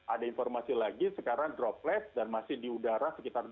ada informasi lagi sekarang droplet dan masih di udara sekitar tiga puluh